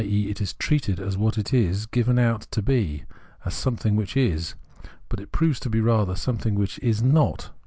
e. it is treated as what it is given out to be, as something which is ; but it proves to be rather a something which is not.